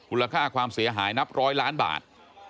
ค่าความเสียหายนับร้อยล้านบาท